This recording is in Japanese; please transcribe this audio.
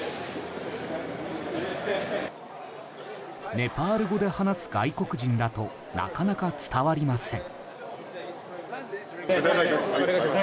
ネパール語で話す外国人だとなかなか伝わりません。